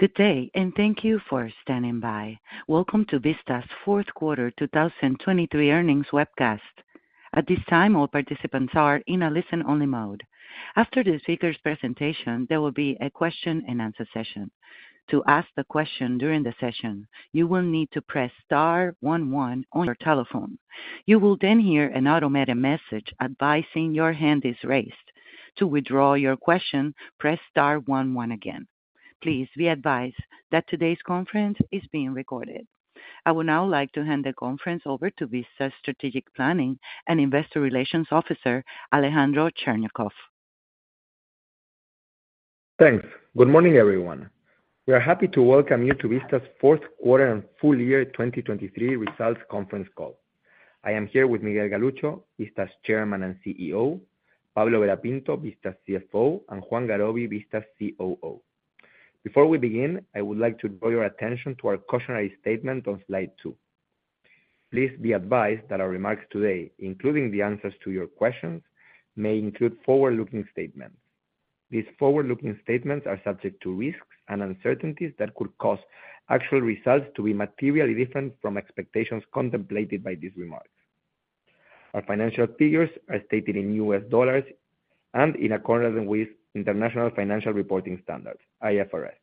Good day, and thank you for standing by. Welcome to Vista's fourth quarter 2023 earnings webcast. At this time, all participants are in a listen-only mode. After the speakers' presentation, there will be a question-and-answer session. To ask the question during the session, you will need to press star one one on your telephone. You will then hear an automated message advising your hand is raised. To withdraw your question, press star one one again. Please be advised that today's conference is being recorded. I would now like to hand the conference over to Vista's Strategic Planning and Investor Relations Officer, Alejandro Cherñacov. Thanks. Good morning, everyone. We are happy to welcome you to Vista's fourth quarter and full year 2023 results conference call. I am here with Miguel Galuccio, Vista's Chairman and CEO, Pablo Vera Pinto, Vista's CFO, and Juan Garoby, Vista's COO. Before we begin, I would like to draw your attention to our cautionary statement on slide 2. Please be advised that our remarks today, including the answers to your questions, may include forward-looking statements. These forward-looking statements are subject to risks and uncertainties that could cause actual results to be materially different from expectations contemplated by these remarks. Our financial figures are stated in U.S. dollars and in accordance with International Financial Reporting Standards, IFRS.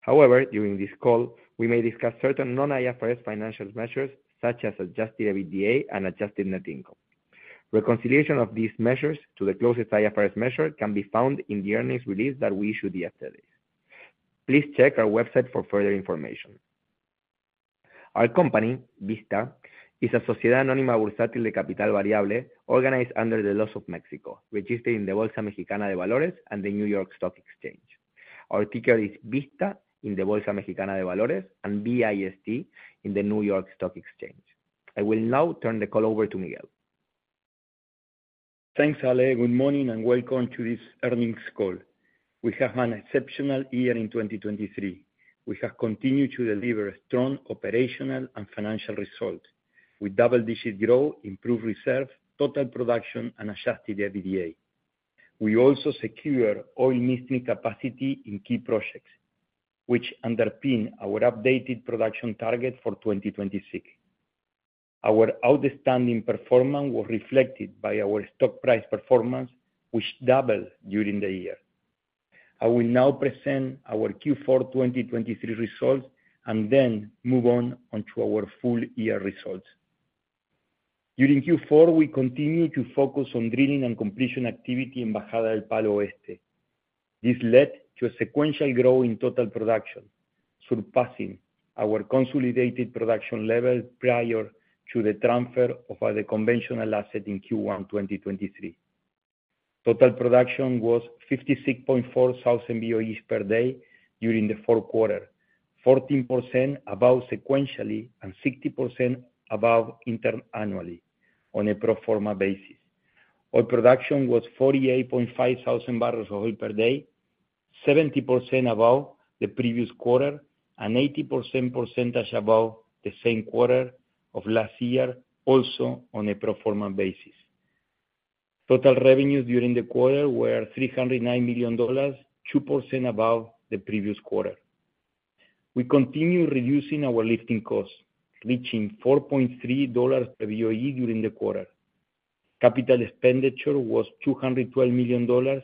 However, during this call, we may discuss certain non-IFRS financial measures, such as adjusted EBITDA and adjusted net income. Reconciliation of these measures to the closest IFRS measure can be found in the earnings release that we issued yesterday. Please check our website for further information. Our company, Vista, is a sociedad anónima bursátil de capital variable, organized under the laws of Mexico, registered in the Bolsa Mexicana de Valores and the New York Stock Exchange. Our ticker is VISTA in the Bolsa Mexicana de Valores and V-I-S-T in the New York Stock Exchange. I will now turn the call over to Miguel. Thanks, Ale. Good morning, and welcome to this earnings call. We have had an exceptional year in 2023. We have continued to deliver strong operational and financial results with double-digit growth, improved reserve, total production, and Adjusted EBITDA. We also secure oil capacity in key projects, which underpin our updated production target for 2026. Our outstanding performance was reflected by our stock price performance, which doubled during the year. I will now present our Q4 2023 results and then move on onto our full year results. During Q4, we continued to focus on drilling and completion activity in Bajada del Palo Este. This led to a sequential growth in total production, surpassing our consolidated production level prior to the transfer of our conventional asset in Q1 2023. Total production was 56.4 thousand BOEs per day during the fourth quarter, 14% above sequentially and 60% above interannually on a pro forma basis. Oil production was 48.5 thousand barrels of oil per day, 70% above the previous quarter and 80% above the same quarter of last year, also on a pro forma basis. Total revenues during the quarter were $309 million, 2% above the previous quarter. We continue reducing our lifting costs, reaching $4.3 per BOE during the quarter. Capital expenditure was $212 million,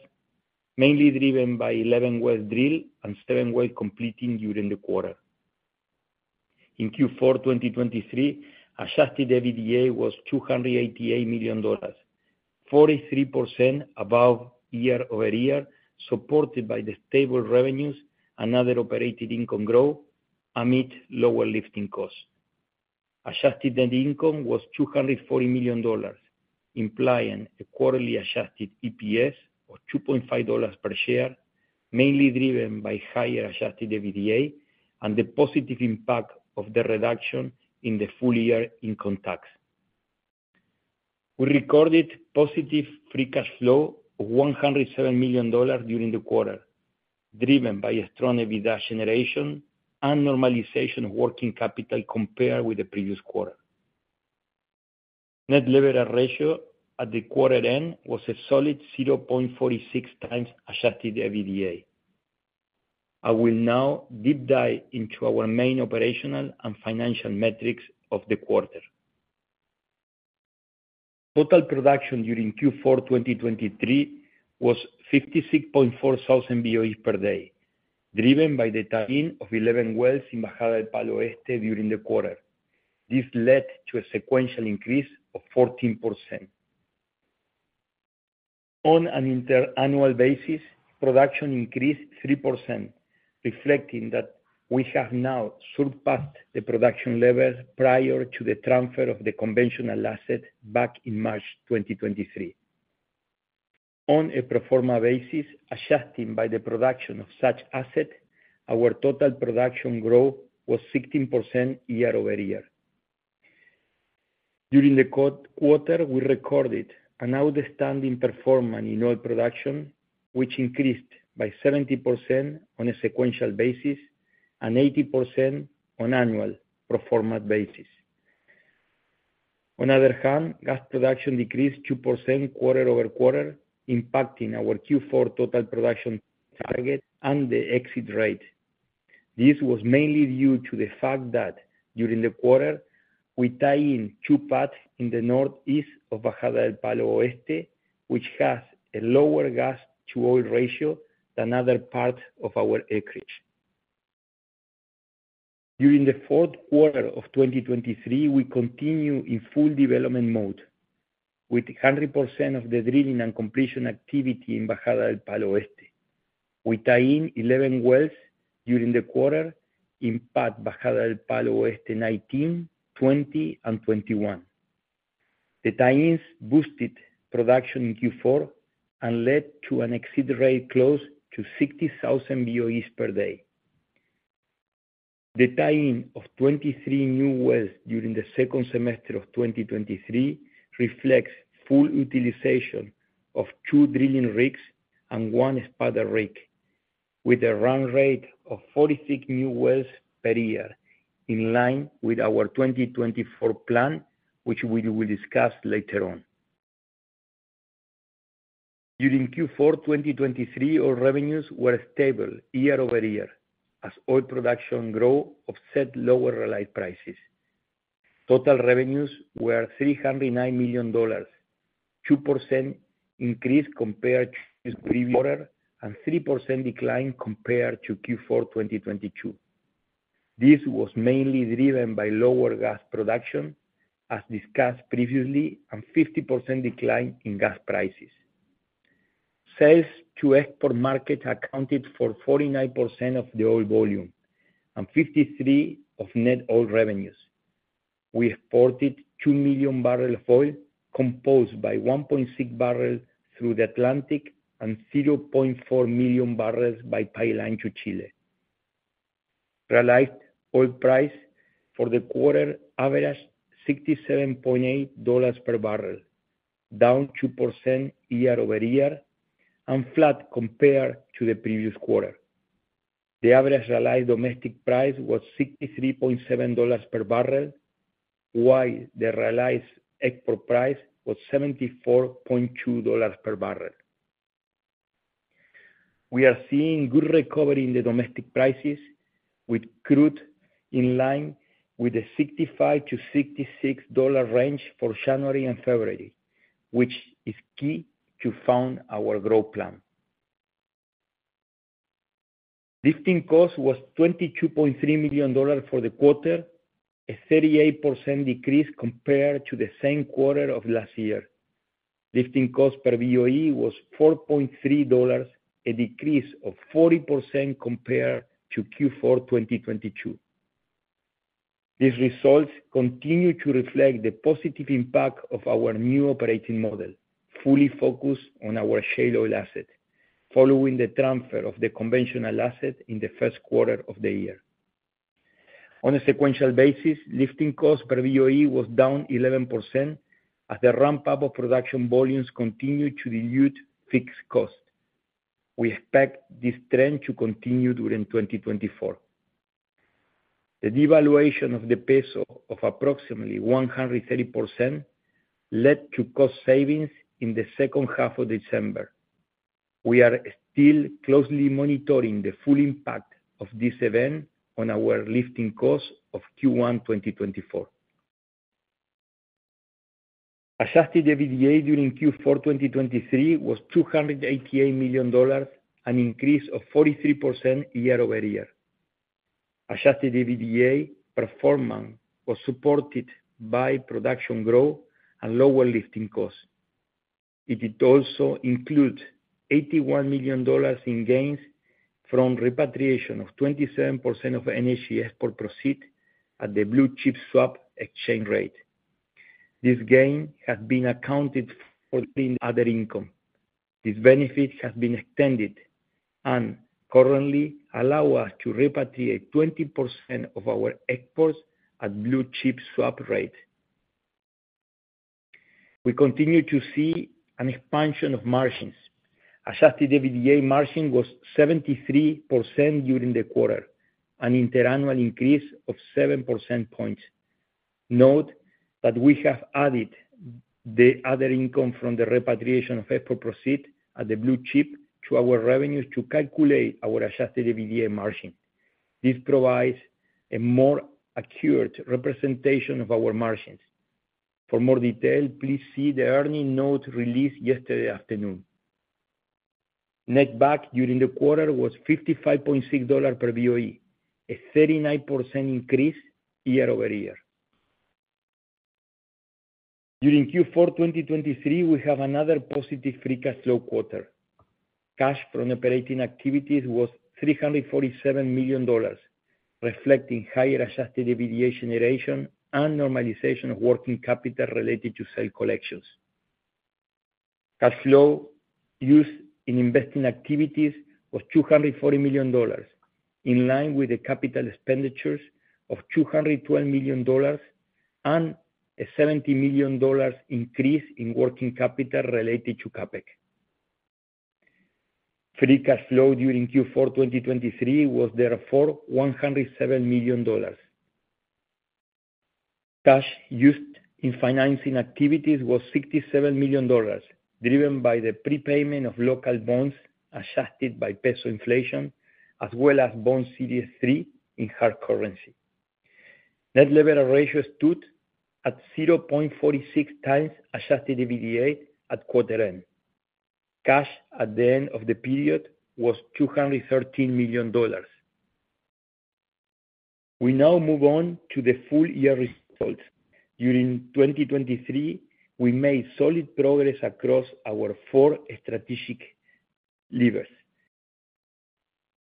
mainly driven by 11 wells drilled and seven wells completing during the quarter. In Q4 2023, adjusted EBITDA was $288 million, 43% above year-over-year, supported by the stable revenues and other operating income growth amid lower lifting costs. Adjusted net income was $240 million, implying a quarterly adjusted EPS of $2.5 per share, mainly driven by higher adjusted EBITDA and the positive impact of the reduction in the full year income tax. We recorded positive free cash flow of $107 million during the quarter, driven by a strong EBITDA generation and normalization of working capital compared with the previous quarter. Net leverage ratio at the quarter end was a solid 0.46x adjusted EBITDA. I will now deep dive into our main operational and financial metrics of the quarter. Total production during Q4 2023 was 56.4 thousand BOEs per day, driven by the tie-in of 11 wells in Bajada del Palo Este during the quarter. This led to a sequential increase of 14%. On an inter-annual basis, production increased 3%, reflecting that we have now surpassed the production levels prior to the transfer of the conventional asset back in March 2023. On a pro forma basis, adjusted by the production of such asset, our total production growth was 16% year-over-year. During the quarter, we recorded an outstanding performance in oil production, which increased by 70% on a sequential basis and 80% on annual pro forma basis. On the other hand, gas production decreased 2% quarter-over-quarter, impacting our Q4 total production target and the exit rate. This was mainly due to the fact that during the quarter, we tie in two pads in the northeast of Bajada del Palo Este, which has a lower gas to oil ratio than other parts of our acreage. During the fourth quarter of 2023, we continue in full development mode, with 100% of the drilling and completion activity in Bajada del Palo Este. We tie in 11 wells during the quarter in pad Bajada del Palo Este 19, 20, and 21. The tie-ins boosted production in Q4 and led to an exit rate close to 60,000 BOEs per day. The tie-in of 23 new wells during the second semester of 2023 reflects full utilization of 2 drilling rigs and 1 spud rig, with a run rate of 46 new wells per year, in line with our 2024 plan, which we will discuss later on. During Q4 2023, our revenues were stable year-over-year, as oil production growth offset lower realized prices. Total revenues were $309 million, 2% increase compared to the previous quarter, and 3% decline compared to Q4 2022. This was mainly driven by lower gas production, as discussed previously, and 50% decline in gas prices. Sales to export market accounted for 49% of the oil volume and 53% of net oil revenues. We exported 2 million barrels of oil, composed by 1.6 million barrels through the Atlantic and 0.4 million barrels by pipeline to Chile. Realized oil price for the quarter averaged $67.8 per barrel, down 2% year-over-year, and flat compared to the previous quarter. The average realized domestic price was $63.7 per barrel, while the realized export price was $74.2 per barrel. We are seeing good recovery in the domestic prices, with crude in line with the $65-$66 range for January and February, which is key to fund our growth plan. Lifting cost was $22.3 million for the quarter, a 38% decrease compared to the same quarter of last year. Lifting cost per BOE was $4.3, a decrease of 40% compared to Q4 2022. These results continue to reflect the positive impact of our new operating model, fully focused on our shale oil asset, following the transfer of the conventional asset in the first quarter of the year. On a sequential basis, lifting costs per BOE was down 11%, as the ramp-up of production volumes continued to reduce fixed costs. We expect this trend to continue during 2024. The devaluation of the peso of approximately 130% led to cost savings in the second half of December. We are still closely monitoring the full impact of this event on our lifting costs of Q1 2024. Adjusted EBITDA during Q4 2023 was $288 million, an increase of 43% year-over-year. Adjusted EBITDA performance was supported by production growth and lower lifting costs. It also includes $81 million in gains from repatriation of 27% of [NHE] export proceed at the Blue Chip Swap exchange rate. This gain has been accounted for in other income. This benefit has been extended and currently allow us to repatriate 20% of our exports at Blue Chip Swap rate. We continue to see an expansion of margins. Adjusted EBITDA margin was 73% during the quarter, an interannual increase of 7 percentage points. Note that we have added the other income from the repatriation of export proceeds at the Blue Chip Swap to our revenues to calculate our adjusted EBITDA margin. This provides a more accurate representation of our margins. For more detail, please see the earnings note released yesterday afternoon. Netback during the quarter was $55.6 per BOE, a 39% increase year-over-year. During Q4 2023, we have another positive free cash flow quarter. Cash from operating activities was $347 million, reflecting higher adjusted EBITDA generation and normalization of working capital related to sale collections. Cash flow used in investing activities was $240 million, in line with the capital expenditures of $212 million, and a $70 million increase in working capital related to CapEx. Free cash flow during Q4 2023 was therefore $107 million. Cash used in financing activities was $67 million, driven by the prepayment of local bonds, adjusted by peso inflation, as well as bond Series III in hard currency. Net leverage ratio stood at 0.46x adjusted EBITDA at quarter end. Cash at the end of the period was $213 million. We now move on to the full year results. During 2023, we made solid progress across our four strategic levers.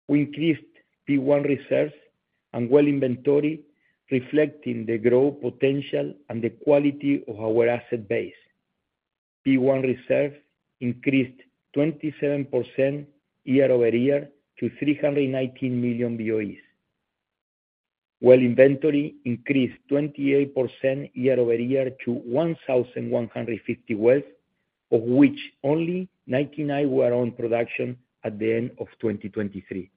We increased P1 reserves and well inventory, reflecting the growth potential and the quality of our asset base. P1 Reserves increased 27% year-over-year to 319 million BOEs. Well inventory increased 28% year-over-year to 1,150 wells, of which only 99 were on production at the end of 2023.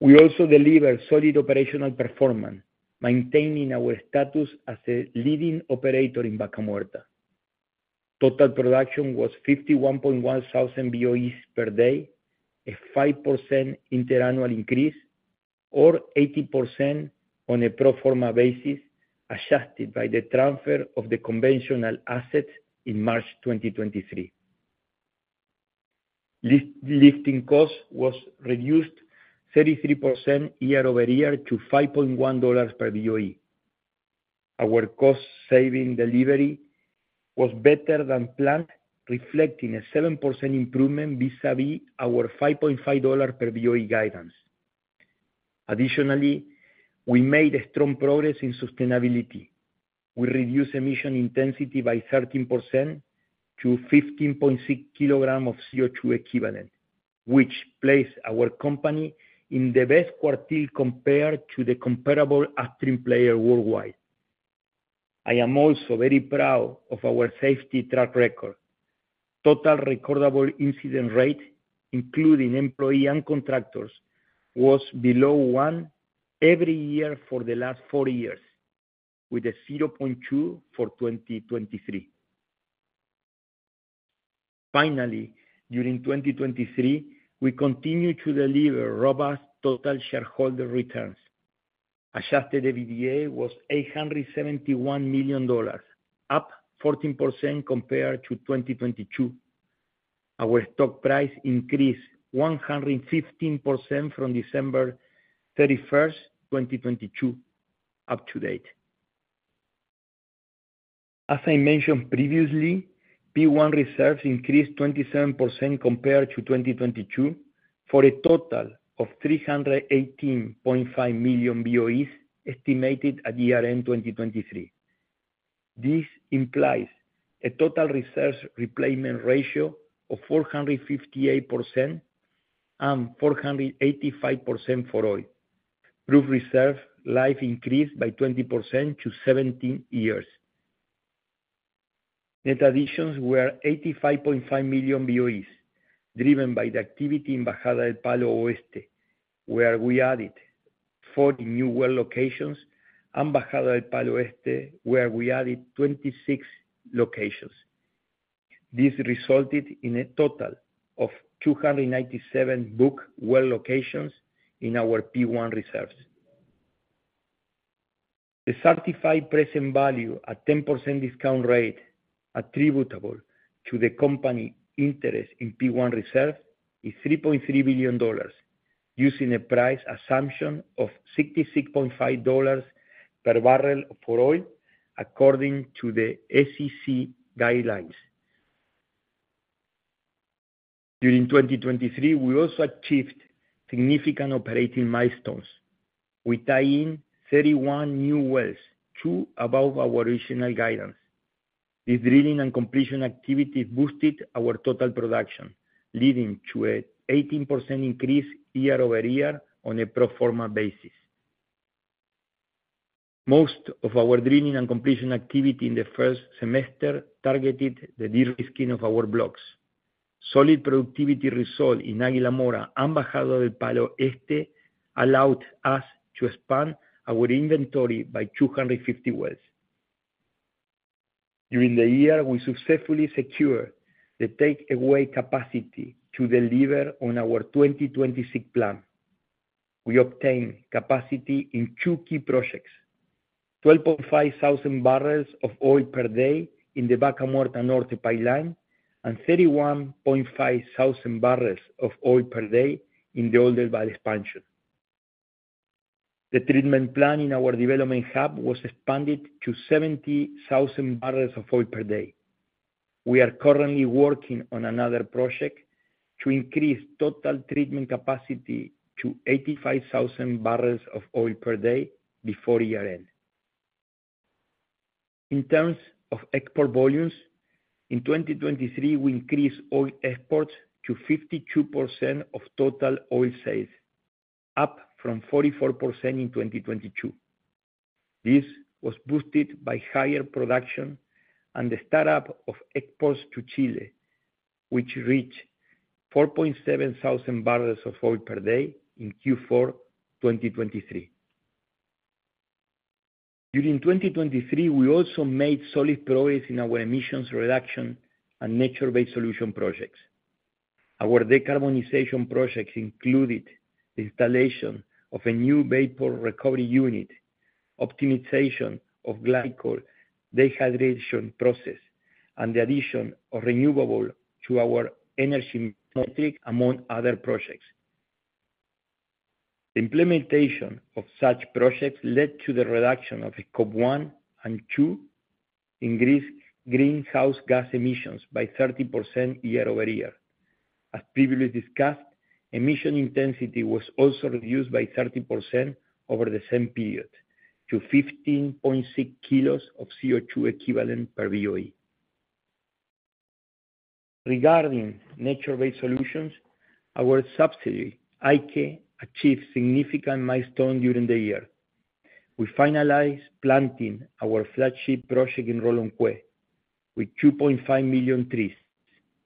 We also delivered solid operational performance, maintaining our status as a leading operator in Vaca Muerta. Total production was 51.1 thousand BOEs per day, a 5% interannual increase, or 18% on a pro forma basis, adjusted by the transfer of the conventional assets in March 2023. Lifting costs was reduced 33% year-over-year to $5.1 per BOE. Our cost saving delivery was better than planned, reflecting a 7% improvement vis-a-vis our $5.5 per BOE guidance. Additionally, we made a strong progress in sustainability. We reduced emission intensity by 13% to 15.6 kilograms of CO2 equivalent, which places our company in the best quartile compared to the comparable upstream player worldwide. I am also very proud of our safety track record. Total recordable incident rate, including employee and contractors, was below one every year for the last four years, with a 0.2 for 2023. Finally, during 2023, we continued to deliver robust total shareholder returns. Adjusted EBITDA was $871 million, up 14% compared to 2022. Our stock price increased 115% from December 31st, 2022, up to date. As I mentioned previously, P1 reserves increased 27% compared to 2022, for a total of 318.5 million BOEs, estimated at year-end 2023. This implies a total reserve replacement ratio of 458%, and 485% for oil. Proved reserve life increased by 20% to 17 years. Net additions were 85.5 million BOEs, driven by the activity in Bajada del Palo Oeste, where we added 40 new well locations, and Bajada del Palo Este, where we added 26 locations. This resulted in a total of 297 booked well locations in our P1 reserves. The certified present value at 10% discount rate attributable to the company interest in P1 reserve is $3.3 billion, using a price assumption of $66.5 per barrel for oil, according to the SEC guidelines. During 2023, we also achieved significant operating milestones. We tie in 31 new wells, 2 above our original guidance. This drilling and completion activity boosted our total production, leading to an 18% increase year over year on a pro forma basis. Most of our drilling and completion activity in the first semester targeted the de-risking of our blocks. Solid productivity result in Aguila Mora and Bajada del Palo Este allowed us to expand our inventory by 250 wells. During the year, we successfully secured the take away capacity to deliver on our 2026 plan. We obtained capacity in two key projects: 12,500 barrels of oil per day in the Vaca Muerta North Pipeline, and 31,500 barrels of oil per day in the Oldelval expansion. The treatment plan in our development hub was expanded to 70,000 barrels of oil per day. We are currently working on another project to increase total treatment capacity to 85,000 barrels of oil per day before year-end. In terms of export volumes, in 2023, we increased oil exports to 52% of total oil sales, up from 44% in 2022. This was boosted by higher production and the startup of exports to Chile, which reached 4,700 barrels of oil per day in Q4 2023. During 2023, we also made solid progress in our emissions reduction and nature-based solution projects. Our decarbonization projects included the installation of a new vapor recovery unit, optimization of glycol dehydration process, and the addition of renewable to our energy mix, among other projects. The implementation of such projects led to the reduction of Scope 1 and 2 greenhouse gas emissions by 30% year-over-year. As previously discussed, emission intensity was also reduced by 30% over the same period, to 15.6 kilos of CO2 equivalent per BOE. Regarding nature-based solutions, our subsidiary, Aike, achieved significant milestone during the year. We finalized planting our flagship project in Rolón Cué, with 2.5 million trees,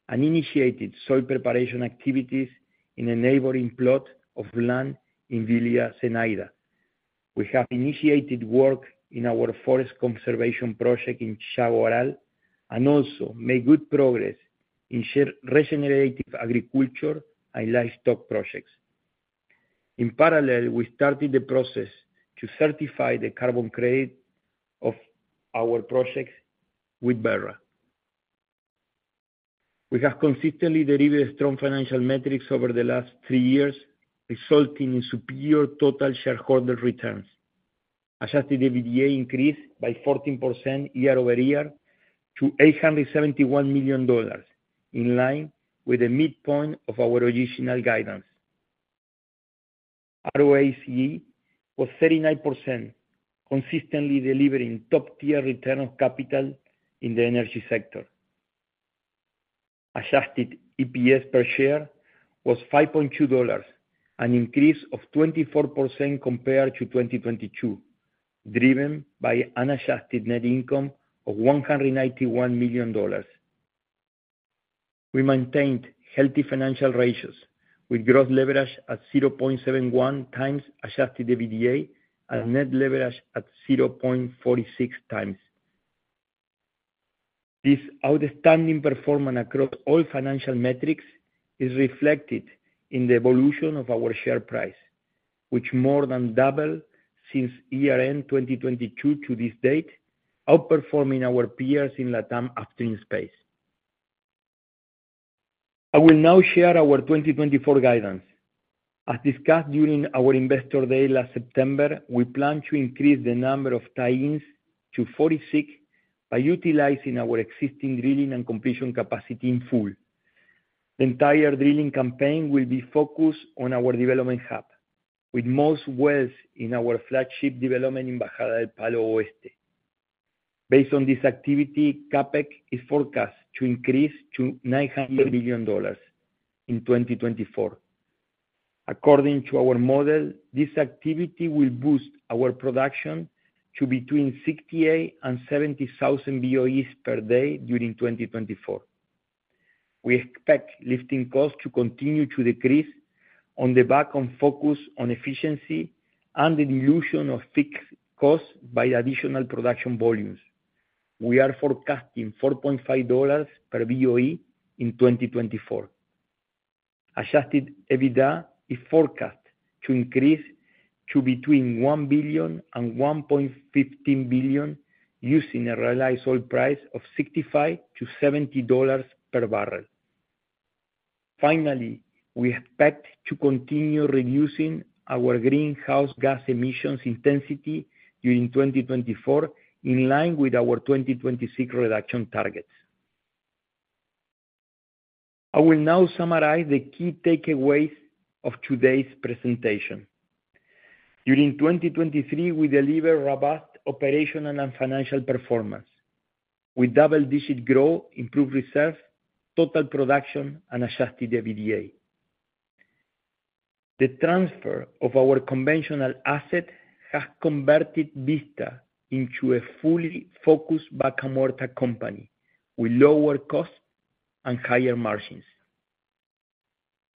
and initiated soil preparation activities in a neighboring plot of land in Villa Zenaida. We have initiated work in our forest conservation project in Jagual, and also made good progress in shared regenerative agriculture and livestock projects. In parallel, we started the process to certify the carbon credit of our projects with Verra. We have consistently delivered strong financial metrics over the last three years, resulting in superior total shareholder returns. Adjusted EBITDA increased by 14% year-over-year to $871 million, in line with the midpoint of our original guidance. ROACE was 39%, consistently delivering top-tier return on capital in the energy sector. Adjusted EPS per share was $5.2, an increase of 24% compared to 2022, driven by unadjusted net income of $191 million. We maintained healthy financial ratios, with gross leverage at 0.71 times adjusted EBITDA and net leverage at 0.46 times. This outstanding performance across all financial metrics is reflected in the evolution of our share price, which more than doubled since year-end 2022 to this date, outperforming our peers in LatAm upstream space. I will now share our 2024 guidance. As discussed during our investor day last September, we plan to increase the number of tie-ins to 46 by utilizing our existing drilling and completion capacity in full. The entire drilling campaign will be focused on our development hub, with most wells in our flagship development in Bajada del Palo Oeste. Based on this activity, CapEx is forecast to increase to $900 million in 2024. According to our model, this activity will boost our production to between 68,000-70,000 BOEs per day during 2024. We expect lifting costs to continue to decrease on the back-end focus on efficiency and the dilution of fixed costs by additional production volumes. We are forecasting $4.5 per BOE in 2024. Adjusted EBITDA is forecast to increase to between $1 billion-$1.15 billion, using a realized oil price of $65-$70 per barrel. Finally, we expect to continue reducing our greenhouse gas emissions intensity during 2024, in line with our 2026 reduction targets. I will now summarize the key takeaways of today's presentation. During 2023, we delivered robust operational and financial performance. We double-digit growth, improved reserves, total production, and adjusted EBITDA. The transfer of our conventional asset has converted Vista into a fully focused Vaca Muerta company with lower costs and higher margins.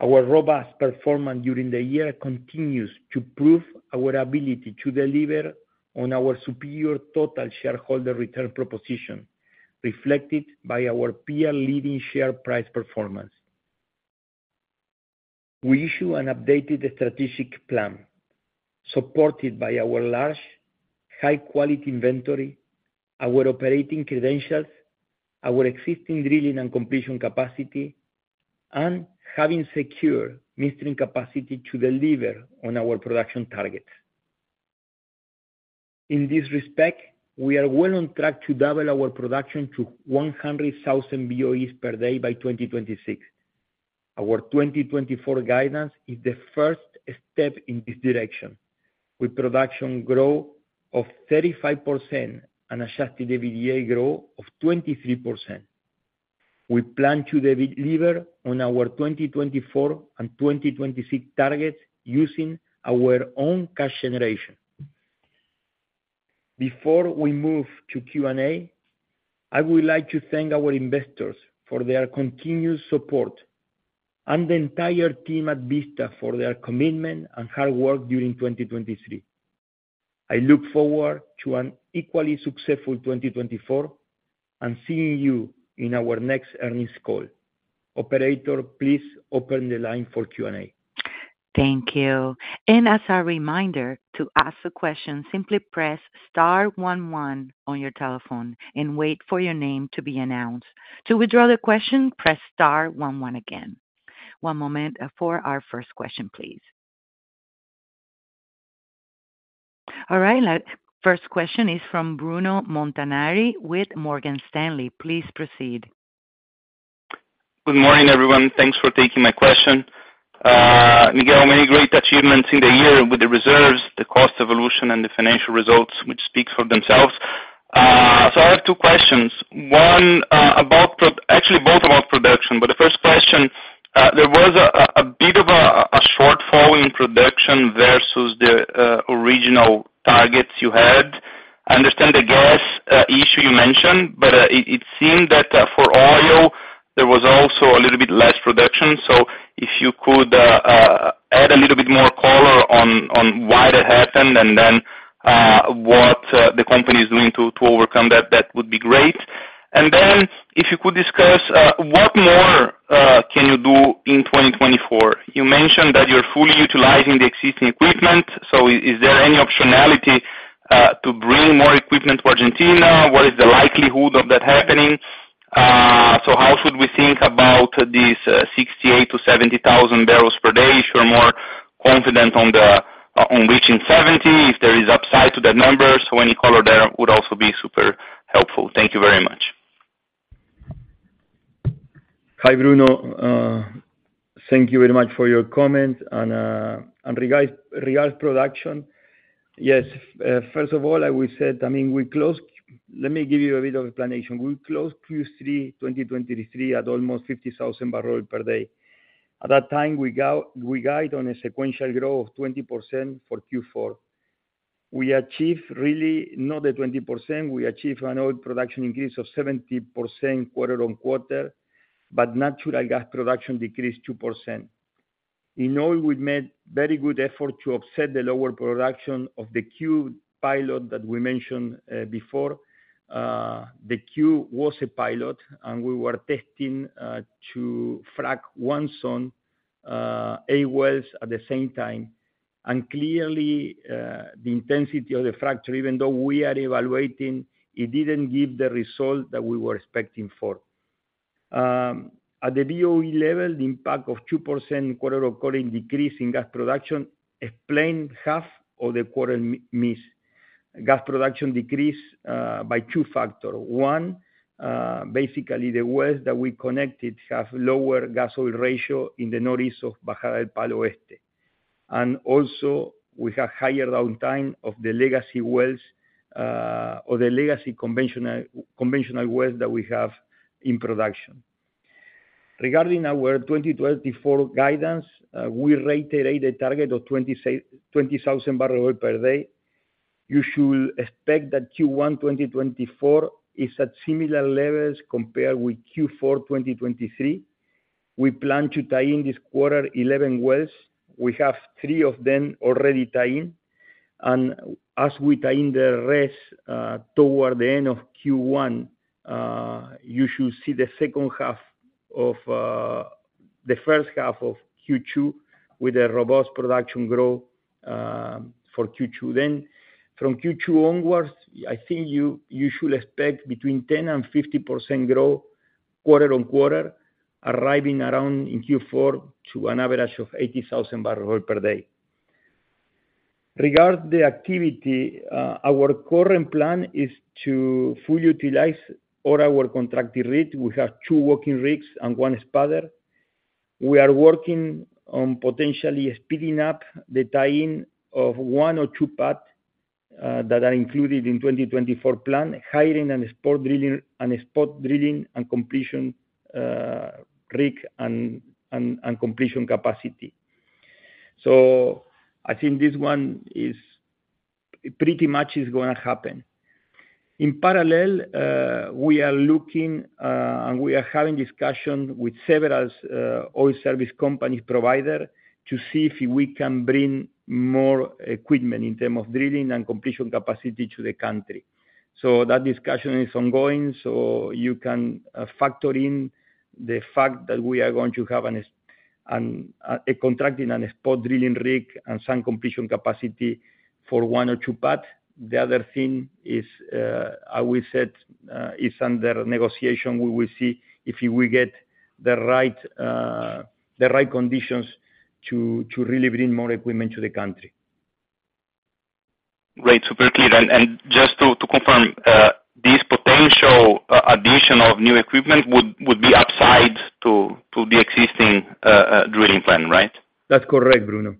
Our robust performance during the year continues to prove our ability to deliver on our superior total shareholder return proposition, reflected by our peer-leading share price performance. We issue an updated strategic plan, supported by our large, high-quality inventory, our operating credentials, our existing drilling and completion capacity, and having secure midstream capacity to deliver on our production targets. In this respect, we are well on track to double our production to 100,000 BOEs per day by 2026. Our 2024 guidance is the first step in this direction, with production growth of 35% and Adjusted EBITDA growth of 23%. We plan to deliver on our 2024 and 2026 targets using our own cash generation. Before we move to Q&A, I would like to thank our investors for their continued support, and the entire team at Vista for their commitment and hard work during 2023. I look forward to an equally successful 2024, and seeing you in our next earnings call. Operator, please open the line for Q&A. Thank you. As a reminder, to ask a question, simply press star one one on your telephone and wait for your name to be announced. To withdraw the question, press star one one again. One moment for our first question, please. All right, first question is from Bruno Montanari with Morgan Stanley. Please proceed. Good morning, everyone. Thanks for taking my question. Miguel, many great achievements in the year with the reserves, the cost evolution, and the financial results, which speak for themselves. So I have two questions. One, actually, both about production, but the first question, there was a bit of a shortfall in production versus the original targets you had. I understand the gas issue you mentioned, but it seemed that for oil, there was also a little bit less production. So if you could add a little bit more color on why that happened, and then what the company is doing to overcome that would be great. And then if you could discuss what more can you do in 2024? You mentioned that you're fully utilizing the existing equipment, so is there any optionality to bring more equipment to Argentina? What is the likelihood of that happening? So how should we think about this 68,000-70,000 barrels per day, if you're more confident on reaching seventy, if there is upside to that number? So any color there would also be super helpful. Thank you very much. Hi, Bruno, thank you very much for your comments. Regarding production, yes, first of all, like we said, I mean, we closed. Let me give you a bit of explanation. We closed Q3 2023 at almost 50,000 barrel per day. At that time, we guide on a sequential growth of 20% for Q4. We achieved really not the 20%, we achieved an oil production increase of 70% quarter-on-quarter, but natural gas production decreased 2%. In oil, we made very good effort to offset the lower production of the [Cube] pilot that we mentioned before. The [Cube] was a pilot, and we were testing to frack one zone, eight wells at the same time. Clearly, the intensity of the fracture, even though we are evaluating, it didn't give the result that we were expecting for. At the BOE level, the impact of 2% quarter-on-quarter decrease in gas production explained half of the quarter miss. Gas production decreased by two factors. One, basically, the wells that we connected have lower gas oil ratio in the northeast of Bajada del Palo Este. And also, we have higher downtime of the legacy wells, or the legacy conventional, conventional wells that we have in production. Regarding our 2024 guidance, we reiterate a target of 20,000 barrel oil per day. You should expect that Q1 2024 is at similar levels compared with Q4 2023. We plan to tie in this quarter 11 wells. We have three of them already tied in, and as we tie in the rest toward the end of Q1, you should see the second half of the first half of Q2 with a robust production growth for Q2. Then from Q2 onwards, I think you should expect between 10% and 50% growth, quarter-on-quarter, arriving around in Q4 to an average of 80,000 barrels per day. Regarding the activity, our current plan is to fully utilize all our contracted rigs. We have two working rigs and one spud rig. We are working on potentially speeding up the tie-in of one or two pads that are included in 2024 plan, hiring and spot drilling, and a spot drilling and completion rig and completion capacity. So I think this one is pretty much gonna happen. In parallel, we are looking, and we are having discussion with several, oil service company provider, to see if we can bring more equipment in term of drilling and completion capacity to the country. So that discussion is ongoing, so you can, factor in the fact that we are going to have an, a contract in a spot drilling rig and some completion capacity for one or two pad. The other thing is, I will say, is under negotiation. We will see if we get the right, the right conditions to, to really bring more equipment to the country. Great. Super clear. And just to confirm, this potential addition of new equipment would be upside to the existing drilling plan, right? That's correct, Bruno.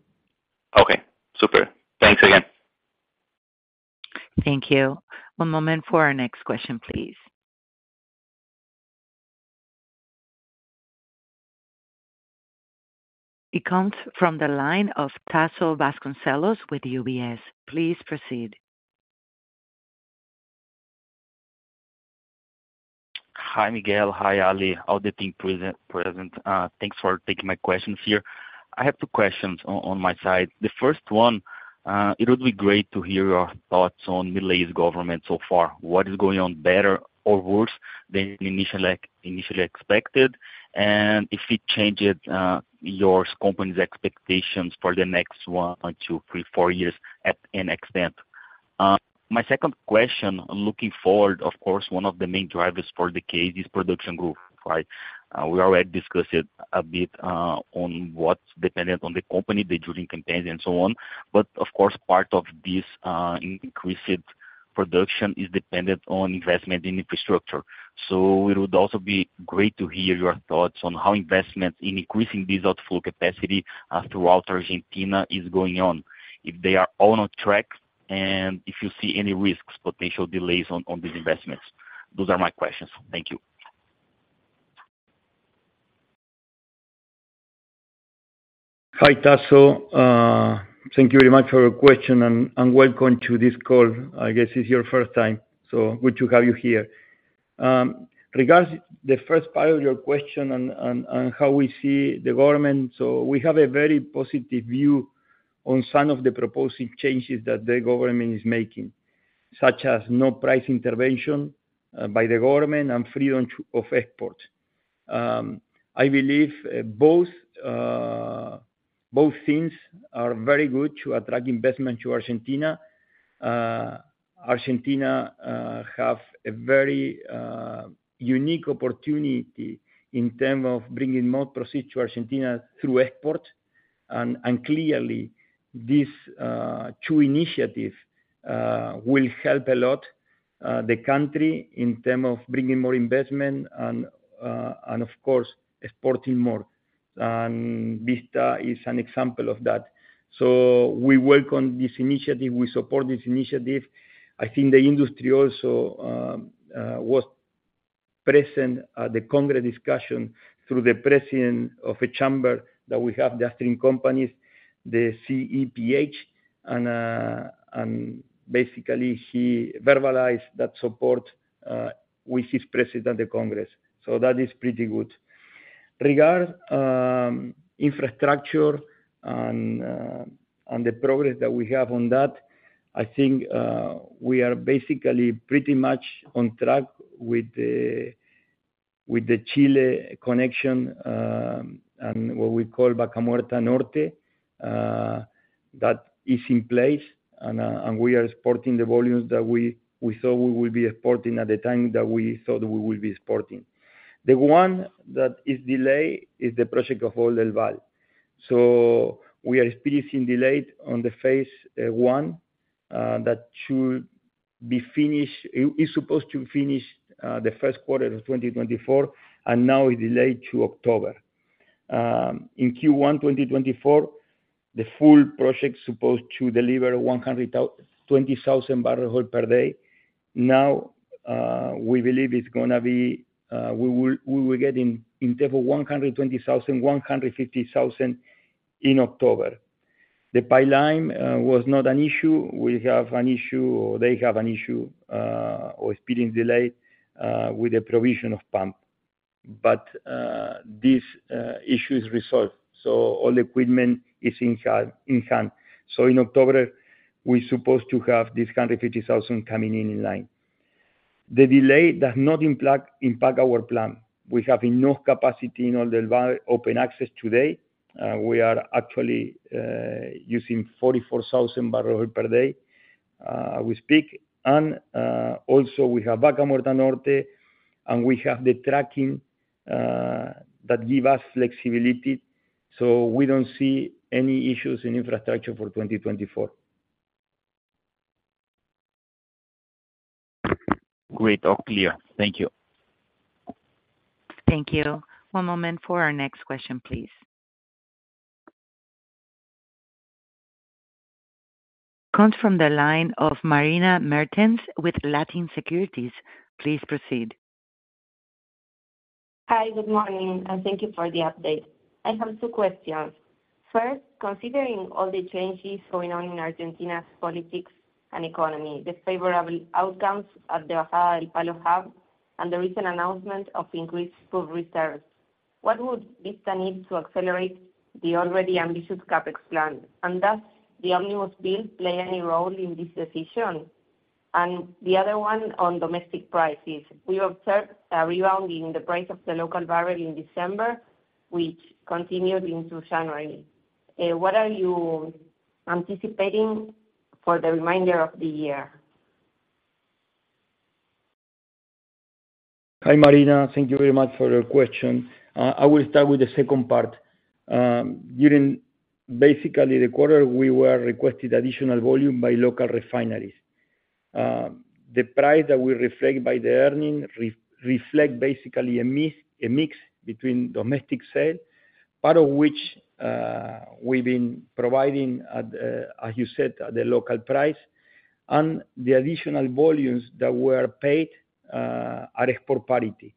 Okay, super. Thanks again. Thank you. One moment for our next question, please. It comes from the line of Tasso Vasconcelos with UBS. Please proceed. Hi, Miguel. Hi, Ali. How the team present? Thanks for taking my questions here. I have two questions on my side. The first one, it would be great to hear your thoughts on Milei's government so far. What is going on better or worse than initially expected? And if it changed your company's expectations for the next one or two, three, four years to an extent. My second question, looking forward, of course, one of the main drivers for the case is production growth, right? We already discussed it a bit on what's dependent on the company, the drilling campaign and so on. But of course, part of this increased production is dependent on investment in infrastructure. So it would also be great to hear your thoughts on how investment in increasing this outflow capacity throughout Argentina is going on, if they are all on track, and if you see any risks, potential delays on these investments? Those are my questions. Thank you. Hi, Tasso. Thank you very much for your question, and welcome to this call. I guess it's your first time, so good to have you here. Regarding the first part of your question on how we see the government, we have a very positive view on some of the proposed changes that the government is making, such as no price intervention by the government and freedom of export. I believe both things are very good to attract investment to Argentina. Argentina have a very unique opportunity in terms of bringing more proceeds to Argentina through export. Clearly, this two initiatives will help a lot the country in terms of bringing more investment and of course, exporting more. Vista is an example of that. So we welcome this initiative. We support this initiative. I think the industry also was present at the Congress discussion through the president of a chamber that we have, the upstream companies, the CEPH, and basically he verbalized that support with his president at the Congress. So that is pretty good. Regarding infrastructure and the progress that we have on that, I think we are basically pretty much on track with the Chile connection and what we call Vaca Muerta Norte, that is in place, and we are exporting the volumes that we thought we will be exporting at the time that we thought we will be exporting. The one that is delayed is the project of Oldelval. So we are experiencing delays in phase one that is supposed to finish in the first quarter of 2024, and now is delayed to October. In Q1 2024, the full project is supposed to deliver 20,000 barrels of oil per day. Now, we believe it's gonna be we will get in terms of 120,000-150,000 in October. The pipeline was not an issue. We have an issue or they have an issue, or experiencing delay with the provision of pump. But this issue is resolved, so all the equipment is in hand. So in October, we're supposed to have this 150,000 coming in in line. The delay does not impact our plan. We have enough capacity in Oldelval open access today. We are actually using 44,000 barrel per day, as we speak. And also we have Vaca Muerta Norte, and we have the trucking that give us flexibility, so we don't see any issues in infrastructure for 2024. Great. All clear. Thank you. Thank you. One moment for our next question, please. Comes from the line of Marina Mertens with Latin Securities. Please proceed. Hi, good morning, and thank you for the update. I have two questions. First, considering all the changes going on in Argentina's politics and economy, the favorable outcomes at the Vaca Muerta hub, and the recent announcement of increased proved reserves, what would Vista need to accelerate the already ambitious CapEx plan? And does the omnibus bill play any role in this decision? And the other one on domestic prices. We observed a rebound in the price of the local barrel in December, which continued into January. What are you anticipating for the remainder of the year? Hi, Marina. Thank you very much for your question. I will start with the second part. During basically the quarter, we were requested additional volume by local refineries, the price that we reflect in the earnings reflects basically a mix between domestic sale, part of which, we've been providing at, as you said, at the local price, and the additional volumes that were paid, at export parity.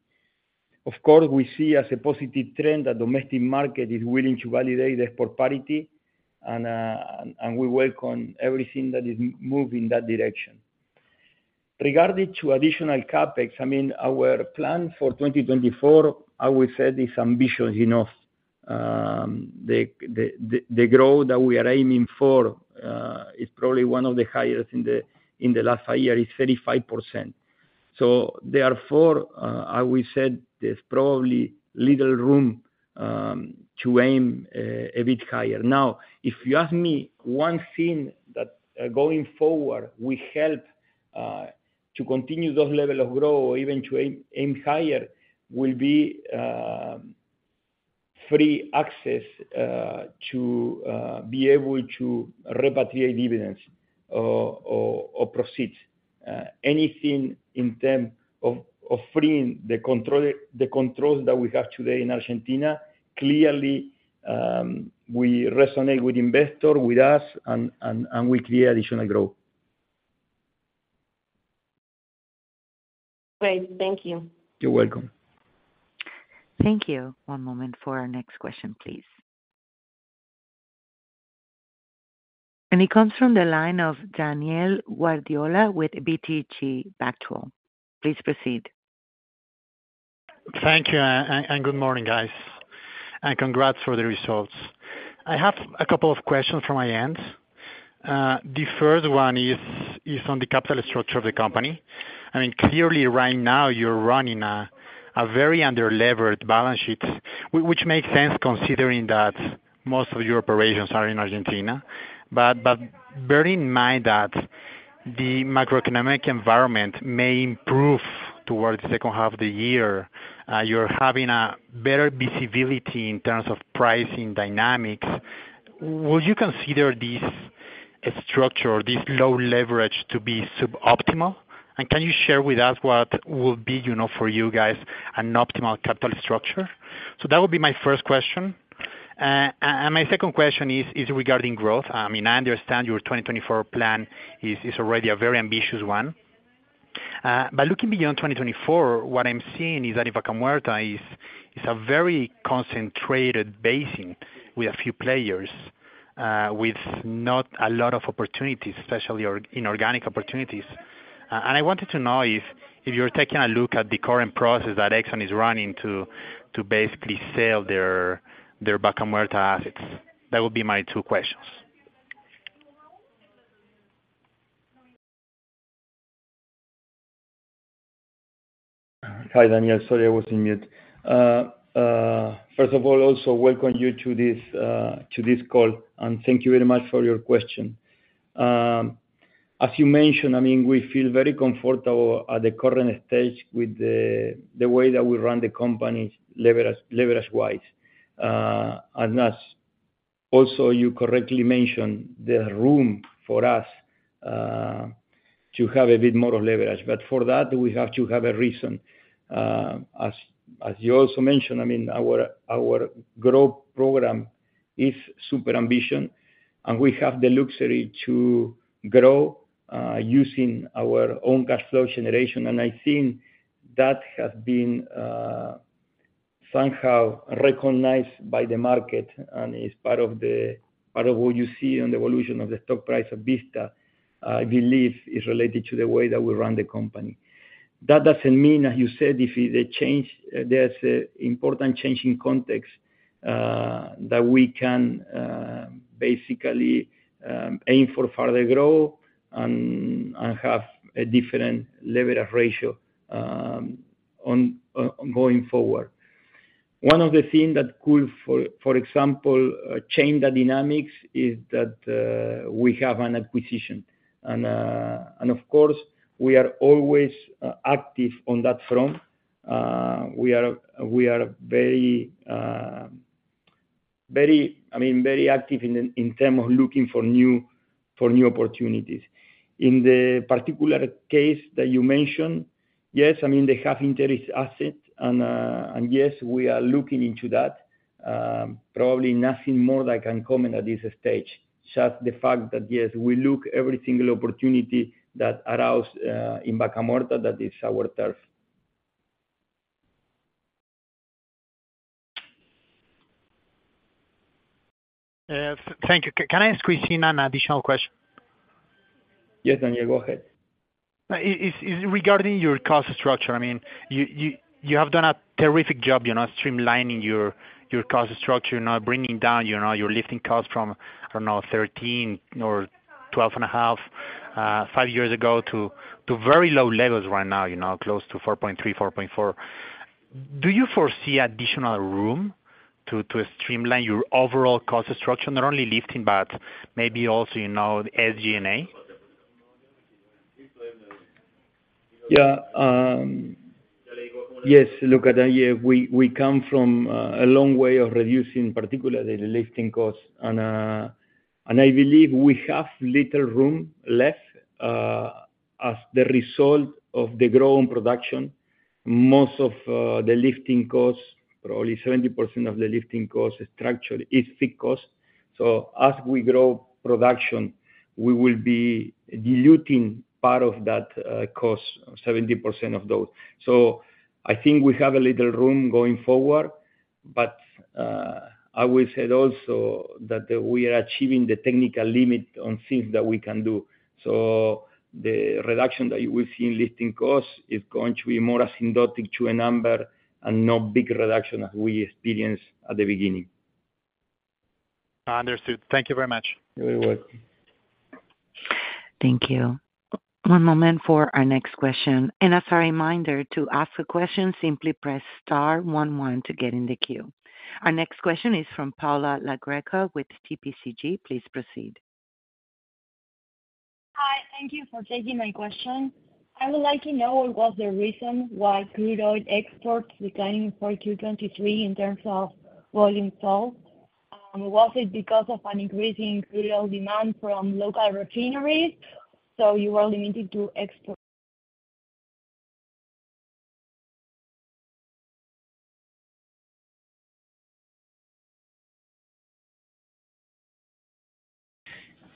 Of course, we see as a positive trend that domestic market is willing to validate export parity, and we welcome everything that is moving in that direction. Regarding to additional CapEx, I mean, our plan for 2024, I would say, is ambitious enough. The growth that we are aiming for is probably one of the highest in the last five years, is 35%. So therefore, I would say there's probably little room to aim a bit higher. Now, if you ask me one thing that going forward will help to continue those level of growth or even to aim higher, will be free access to be able to repatriate dividends or proceeds. Anything in term of freeing the controls that we have today in Argentina, clearly, we resonate with investor, with us, and we create additional growth. Great. Thank you. You're welcome. Thank you. One moment for our next question, please. It comes from the line of Daniel Guardiola with BTG Pactual. Please proceed. Thank you, and good morning, guys, and congrats for the results. I have a couple of questions from my end. The first one is on the capital structure of the company. I mean, clearly right now you're running a very under-leveraged balance sheet, which makes sense, considering that most of your operations are in Argentina. But bear in mind that the macroeconomic environment may improve towards the second half of the year. You're having a better visibility in terms of pricing dynamics. Would you consider this structure, this low leverage, to be suboptimal? And can you share with us what will be, you know, for you guys, an optimal capital structure? So that would be my first question. And my second question is regarding growth. I mean, I understand your 2024 plan is already a very ambitious one. But looking beyond 2024, what I'm seeing is that Vaca Muerta is a very concentrated basin with a few players, with not a lot of opportunities, especially or inorganic opportunities. And I wanted to know if you're taking a look at the current process that Exxon is running to basically sell their Vaca Muerta assets. That would be my two questions. Hi, Daniel. Sorry, I was on mute. First of all, also welcome you to this call, and thank you very much for your question. As you mentioned, I mean, we feel very comfortable at the current stage with the way that we run the company leverage, leverage-wise. And as also you correctly mentioned, there is room for us to have a bit more of leverage, but for that, we have to have a reason. As you also mentioned, I mean, our growth program is super ambitious, and we have the luxury to grow using our own cash flow generation, and I think that has been somehow recognized by the market and is part of what you see on the evolution of the stock price of Vista, I believe, is related to the way that we run the company. That doesn't mean, as you said, if there's a important change in context that we can basically aim for further growth and have a different leverage ratio on going forward. One of the things that could, for example, change the dynamics is that we have an acquisition. And of course, we are always active on that front. We are very... I mean, very active in terms of looking for new opportunities. In the particular case that you mentioned, yes, I mean, they have interesting asset, and yes, we are looking into that. Probably nothing more that I can comment at this stage, just the fact that, yes, we look every single opportunity that arose in Vaca Muerta, that is our turf. Thank you. Can I ask squeeze in an additional question? Yes, Daniel, go ahead. Is regarding your cost structure, I mean, you have done a terrific job, you know, streamlining your cost structure, you know, bringing down, you know, your lifting costs from, I don't know, $13 or $12.5 5 years ago to very low levels right now, you know, close to $4.3-$4.4. Do you foresee additional room to streamline your overall cost structure, not only lifting, but maybe also, you know, the SG&A? Yeah. Yes, look at, yeah, we come from a long way of reducing, particularly the lifting costs. And I believe we have little room left, as the result of the growth in production. Most of the lifting costs, probably 70% of the lifting costs structurally, is fixed costs. So as we grow production, we will be diluting part of that cost, 70% of those. So I think we have a little room going forward, but I will say also that we are achieving the technical limit on things that we can do. So the reduction that you will see in lifting costs is going to be more asymptotic to a number and no big reduction as we experienced at the beginning. Understood. Thank you very much. You're welcome. Thank you. One moment for our next question. As a reminder, to ask a question, simply press star one one to get in the queue. Our next question is from Paula LaGreca with TPCG. Please proceed. Hi, thank you for taking my question. I would like to know what was the reason why crude oil exports declined in for 2023 in terms of volume sold? Was it because of an increasing crude oil demand from local refineries, so you were limited to export?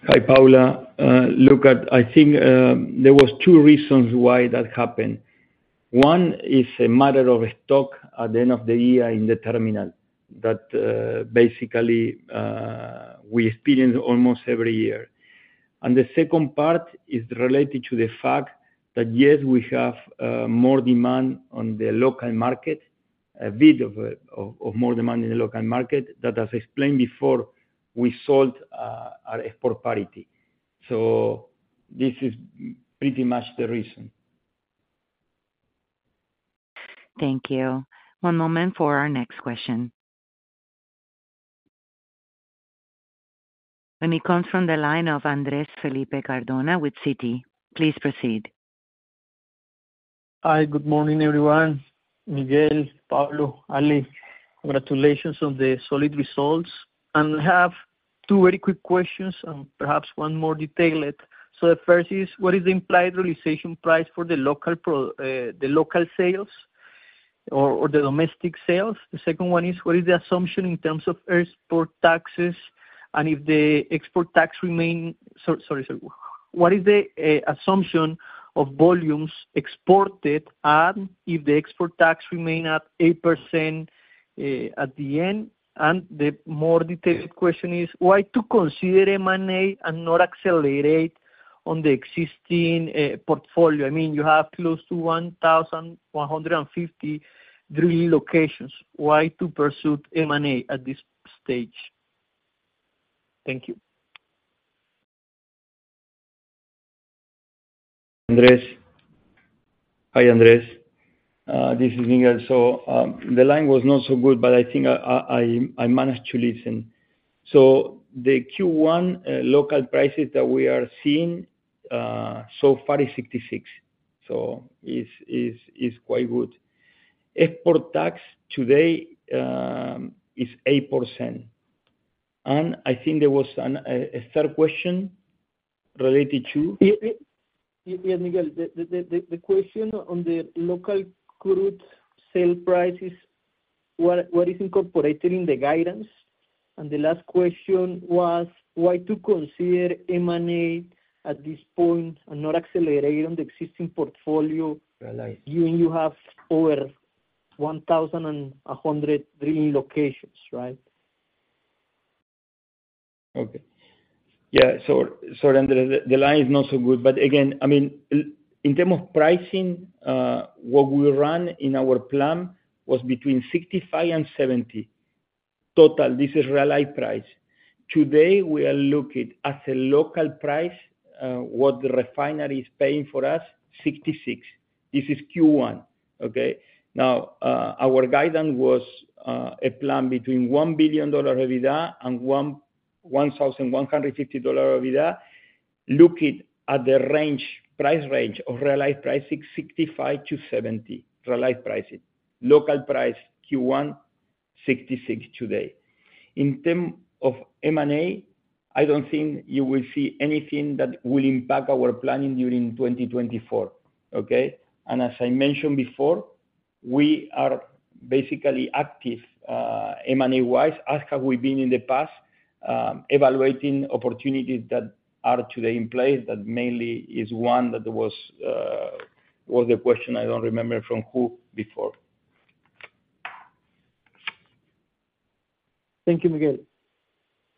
Hi, Paula. Look, I think there were two reasons why that happened. One is a matter of stock at the end of the year in the terminal, that basically we experience almost every year. And the second part is related to the fact that, yes, we have more demand on the local market, a bit of more demand in the local market, that as explained before, we sold at export parity. So this is pretty much the reason. Thank you. One moment for our next question. It comes from the line of Andrés Felipe Cardona with Citi. Please proceed. Hi, good morning, everyone. Miguel, Pablo, Ali, congratulations on the solid results. I have two very quick questions and perhaps one more detailed. So the first is: What is the implied realization price for the local sales or the domestic sales? The second one is: What is the assumption of volumes exported, and if the export tax remain at 8% at the end? The more detailed question is: Why to consider M&A and not accelerate on the existing portfolio? I mean, you have close to 1,150 drilling locations. Why to pursue M&A at this stage? Thank you. Andres. Hi, Andres, this is Miguel. So, the line was not so good, but I think I managed to listen. So the Q1 local prices that we are seeing so far is $66, so is quite good. Export tax today is 8%. And I think there was a third question related to? Yeah, yeah, Miguel, the question on the local crude sale prices, what is incorporated in the guidance? And the last question was: Why to consider M&A at this point and not accelerate on the existing portfolio- Right. - Given you have over 1,100 drilling locations, right? Okay. Yeah, so sorry, Andres, the line is not so good. But again, I mean, in terms of pricing, what we run in our plan was between $65-$70. Total, this is realized price. Today, we are looking at a local price, what the refinery is paying for us, $66. This is Q1, okay? Now, our guidance was a plan between $1 billion EBITDA and $1.15 billion EBITDA. Looking at the range, price range of realized pricing, $65-$70, realized pricing. Local price, Q1, $66 today. In terms of M&A, I don't think you will see anything that will impact our planning during 2024, okay? And as I mentioned before, we are basically active, M&A-wise, as have we been in the past, evaluating opportunities that are today in place. That mainly is one that was, was a question I don't remember from who before. Thank you, Miguel.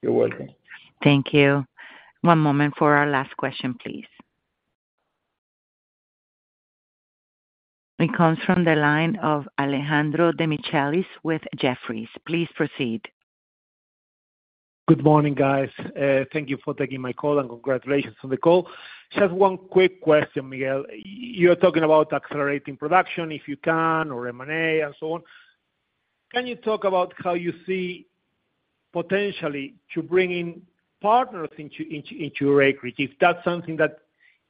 You're welcome. Thank you. One moment for our last question, please. It comes from the line of Alejandro Demichelis with Jefferies. Please proceed. Good morning, guys. Thank you for taking my call, and congratulations on the call. Just one quick question, Miguel. You're talking about accelerating production, if you can, or M&A, and so on. Can you talk about how you see potentially to bring in partners into, into, into yacimientos? If that's something that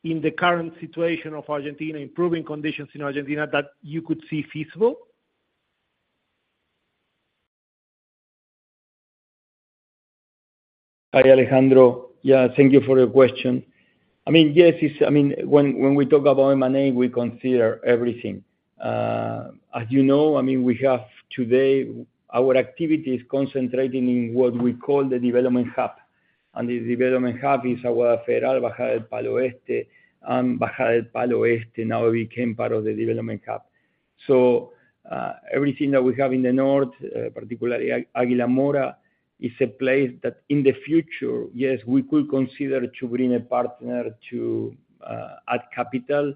in the current situation of Argentina, improving conditions in Argentina, that you could see feasible? Hi, Alejandro. Yeah, thank you for your question. I mean, yes, it's. I mean, when we talk about M&A, we consider everything. As you know, I mean, we have today, our activity is concentrating in what we call the development hub, and the development hub is our federal Vaca Muerta, and Vaca Muerta now became part of the development hub. So, everything that we have in the north, particularly Aguila Mora, is a place that in the future, yes, we could consider to bring a partner to add capital.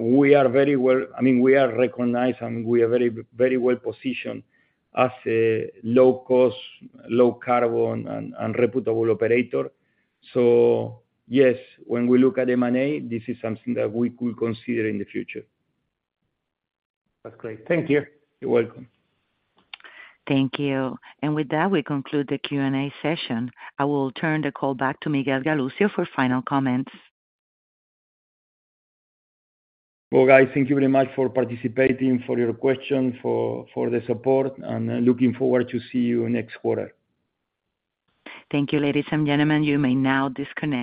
We are very well I mean, we are recognized, and we are very, very well positioned as a low cost, low carbon, and reputable operator. So yes, when we look at M&A, this is something that we could consider in the future. That's great. Thank you. You're welcome. Thank you. And with that, we conclude the Q&A session. I will turn the call back to Miguel Galuccio for final comments. Well, guys, thank you very much for participating, for your questions, for the support, and looking forward to see you next quarter. Thank you, ladies and gentlemen. You may now disconnect.